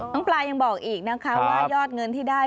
ปลายังบอกอีกนะคะว่ายอดเงินที่ได้